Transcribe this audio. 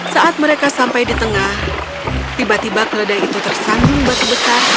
saat mereka sampai di tengah tiba tiba keledai itu tersandung batu besar